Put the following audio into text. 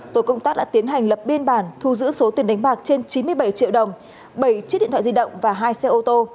tổ công tác đã tiến hành lập biên bản thu giữ số tiền đánh bạc trên chín mươi bảy triệu đồng bảy chiếc điện thoại di động và hai xe ô tô